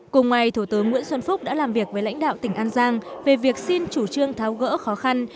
cùng ngày thủ tướng nguyễn xuân phúc đã làm việc với lãnh đạo tỉnh an giang về việc xin chủ trương tháo gỡ khó khăn